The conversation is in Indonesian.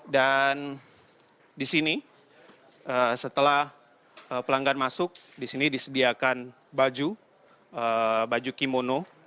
dan disini setelah pelanggan masuk disini disediakan baju baju kimono